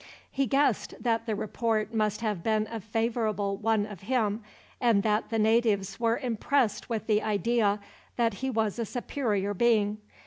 He guessed that the report must have been a favorable one of him, and that the natives were impressed with the idea that he was a superior being.